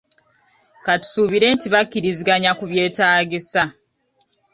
Katusuubire nti bakkiriziganya ku byetaagisa.